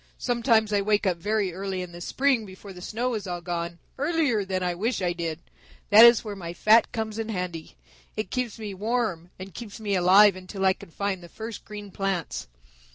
Sometimes I wake up very early in the spring before the snow is all gone, earlier than I wish I did. That is where my fat comes in handy. It keeps me warm and keeps me alive until I can find the first green plants.